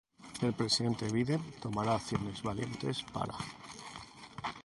El presidente Biden tomará acciones valientes para: